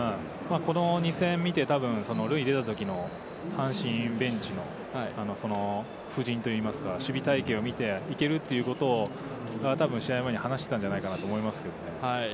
この２戦見て、塁に出たときの阪神ベンチの布陣といいますか、守備隊形を見て行けるということを試合前に話してたんじゃないかと思いますね。